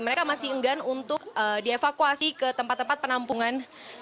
mereka masih enggan untuk dievakuasi ke tempat tempat penampungan